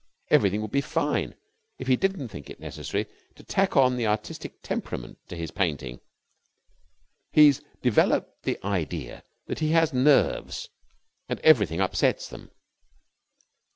Everything would be fine if he didn't think it necessary to tack on the artistic temperament to his painting. He's developed the idea that he has nerves and everything upsets them.